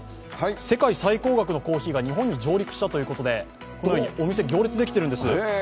世界最高額のコーヒーが日本に上陸したということでお店、行列ができてるんです。